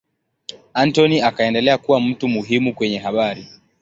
Anthony akaendelea kuwa mtu muhimu kwenye habari.